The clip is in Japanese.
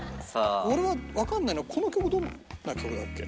俺はわかんないのはこの曲どんな曲だっけ？